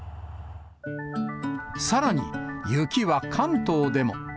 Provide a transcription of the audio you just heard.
さらに、雪は関東でも。